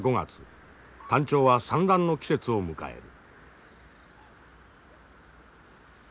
タンチョウは産卵の季節を迎える。